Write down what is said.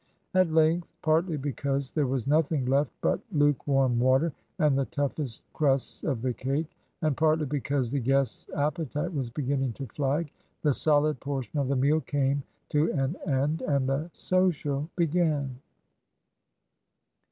At length, partly because there was nothing left but lukewarm water and the toughest crusts of the cake, and partly because the guest's appetite was beginning to flag, the solid portion of the meal came to an end, and the social began.